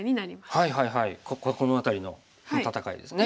はいはいはいこの辺りの戦いですね。